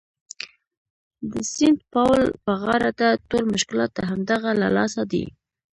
د سینټ پاول په غاړه ده، ټول مشکلات د همدغه له لاسه دي.